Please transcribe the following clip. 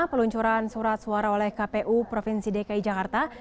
peluncuran surat suara oleh kpu provinsi dki jakarta